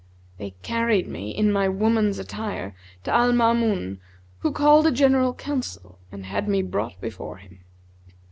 They carried me, in my woman's attire, to Al Maamun who called a general council and had me brought before him.